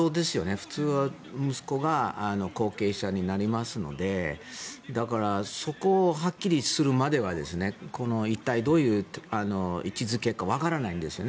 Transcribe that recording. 普通は息子が後継者になりますのでだからそこをはっきりするまでは一体、どういう位置付けかわからかないんですよね。